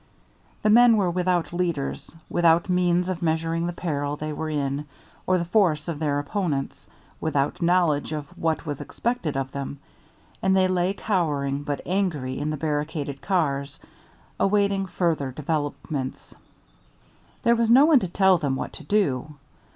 The men were without leaders, without means of measuring the peril they were in or the force of their opponents, without knowledge of what was expected of them; and they lay cowering but angry in the barricaded cars, awaiting further developments. There was no one to tell them what to do.